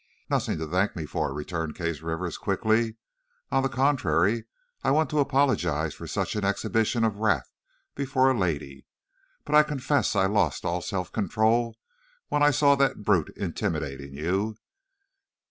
"Nothing to thank me for," returned Case Rivers, quickly, "on the contrary, I want to apologize for such an exhibition of wrath before a lady. But I confess I lost all self control when I saw that brute intimidating you.